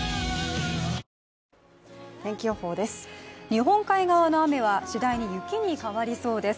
日本海側の雨は次第に雪に変わりそうです。